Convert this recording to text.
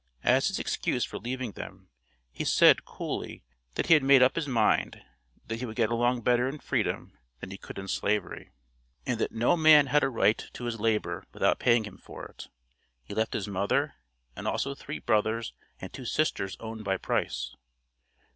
As his excuse for leaving them, he said, coolly, that he had made up his mind that he could get along better in freedom than he could in Slavery, and that no man had a right to his labor without paying him for it. He left his mother and also three brothers and two sisters owned by Price.